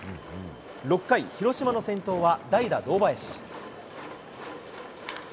６回、広島の先頭は代打、堂林。